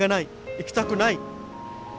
行きたくない。